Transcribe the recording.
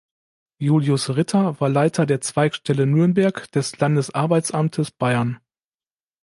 Julius Ritter war Leiter der Zweigstelle Nürnberg des Landesarbeitsamtes Bayern.